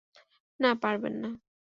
না, পারবেন না।